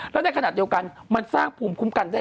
แล้วในขณะเดียวกันมันสร้างภูมิคุ้มกันได้